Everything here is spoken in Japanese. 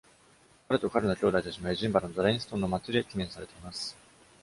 彼と彼の兄弟たちもエジンバラのダディンストンの町で記念されています。